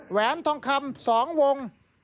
แหวนทองคำ๒วง